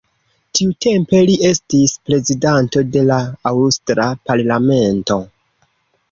Tiutempe li estis prezidanto de la aŭstra parlamento.